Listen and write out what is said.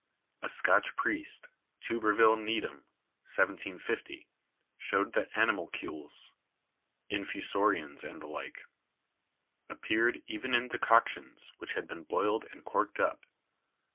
A Scotch priest, Turbervill Needham (1750), showed that animalcules (In fusorians and the like) appeared even in decoctions which had been boiled and corked up.